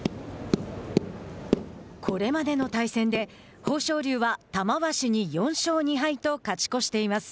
これまでの対戦で豊昇龍は玉鷲に４勝２敗と勝ち越しています。